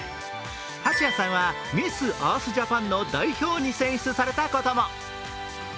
蜂谷さんはミス・アース・ジャパンの代表に選出されたことも。